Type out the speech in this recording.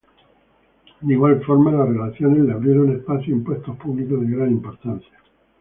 De igual forma las relaciones le abrieron espacios en puestos públicos de gran importancia.